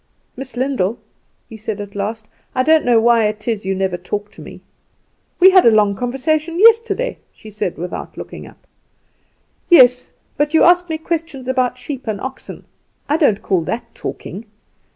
"Miss Lyndall," he said at last, "I don't know why it is you never talk to me." "We had a long conversation yesterday," she said without looking up. "Yes; but you ask me questions about sheep and oxen. I don't call that talking.